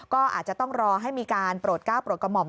ก็อาจจะต้องรอให้มีการโปรดก้าวโปรดกระหม่อม